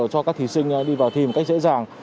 cho các thí sinh đi vào thi một cách dễ dàng